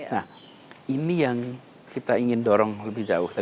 nah ini yang kita ingin dorong lebih jauh